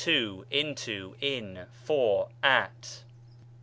to, into, in, for, at.